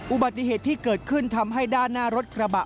อุบัติเหตุที่เกิดขึ้นทำให้ด้านหน้ารถกระบะ